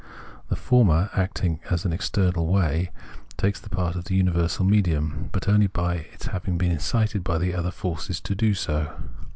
The former, acting in an external way, takes the part of universal medium, but only by its having been incited by the other force to do so.